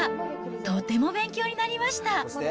とても勉強になりました。